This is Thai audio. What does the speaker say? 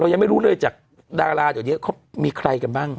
เรายังไม่รู้เลยจากดาราจนี้เขามีใครกันบ้าง